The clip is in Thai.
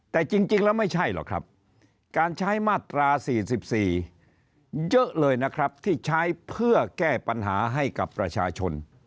แต่จริงแล้วไม่ใช่หรอกครับการใช้มาตรา๔๔เยอะเลยนะครับที่ใช้เพื่อแก้ปัญหาให้กับประชาชน